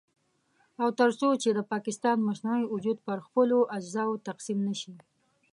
او تر څو چې د پاکستان مصنوعي وجود پر خپلو اجزاوو تقسيم نه شي.